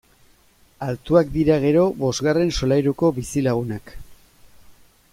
Altuak dira gero bosgarren solairuko bizilagunak!